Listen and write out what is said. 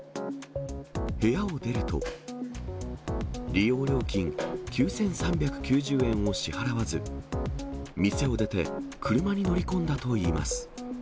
部屋を出ると、利用料金９３９０円を支払わず、店を出て、車に乗り込んだといいます。